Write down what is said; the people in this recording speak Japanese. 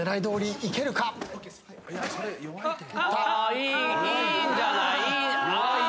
いいんじゃない。